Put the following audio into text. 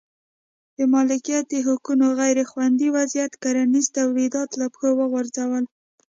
د مالکیت د حقونو غیر خوندي وضعیت کرنیز تولیدات له پښو وغورځول.